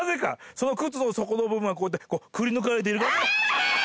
その靴の底の部分はこうやってこうくりぬかれているからヤーッ！